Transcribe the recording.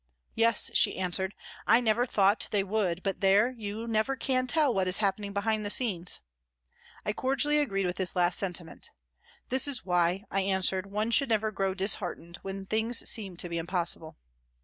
" Yes," she answered ; "I never thought they would, but there, you never can tell what is happening behind the scenes." I cordially agreed with this last sentiment. " That is why," I answered, " one should never grow disheartened when things seem to be impossible."